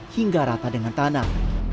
hingga rata dengan tanah